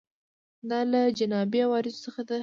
دا له جانبي عوارضو څخه ده.